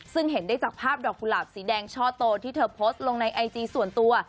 ซึ่งเห็นได้จากภาพดอกกุหลาบสีแดงช่อโตที่เธอโพสต์ลงในไอจีส่วนตัว